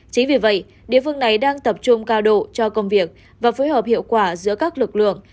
chính vì vậy địa phương này đang tập trung cao độ cho công việc và phối hợp hiệu quả giữa các lực lượng